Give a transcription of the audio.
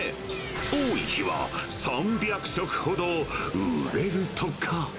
多い日は３００食ほど売れるとか。